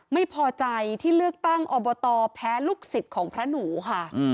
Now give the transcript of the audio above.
ไม่พอใจที่เลือกตั้งอบตแพ้ลูกศิษย์ของพระหนูค่ะ